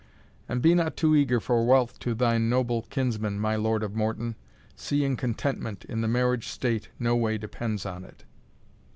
And be not too eager for wealth to thy noble kinsman, my Lord of Morton, seeing contentment in the marriage state no way depends on it."